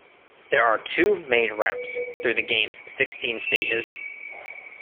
There are two main routes through the game's sixteen stages.